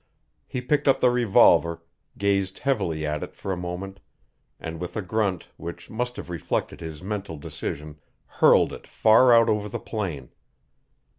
He picked up the revolver, gazed heavily at it for a moment, and with a grunt which must have reflected his mental decision hurled it far out over the plain.